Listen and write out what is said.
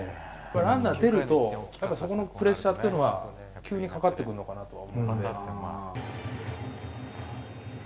ランナー出るとそこのプレッシャーというのは急にかかってくるのかなとは思いますね。